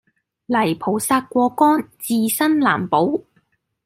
泥菩薩過江自身難保